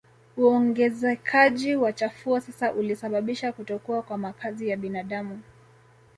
Uongezekaji wa chafuo sasa ulisababisha kutokuwa kwa makazi ya binadamu